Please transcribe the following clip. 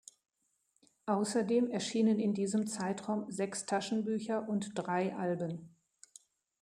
Außerdem erschienen in diesem Zeitraum sechs Taschenbücher und drei Alben.